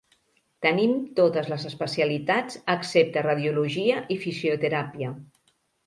Tenim totes les especialitats excepte radiologia i fisioteràpia.